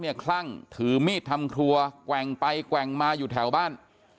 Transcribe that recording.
คลั่งถือมีดทำครัวแกว่งไปแกว่งมาอยู่แถวบ้าน